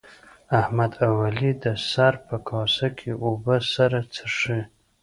احمد او علي د سر په کاسه کې اوبه سره څښي.